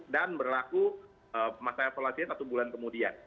dan berlaku masa evaluasinya satu bulan kemudian